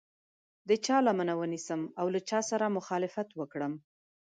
د چا لمنه ونیسم او له چا سره مخالفت وکړم.